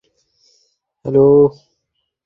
মদ সামলাতে না পারলে খাস কেন?